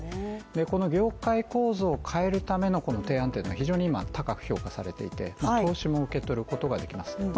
この業界構造を変えるためのこの提案というのは非常に今、高く評価されていて投資も受け取ることができます